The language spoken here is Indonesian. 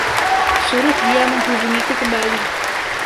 Suruh dia menghubungiku kembali!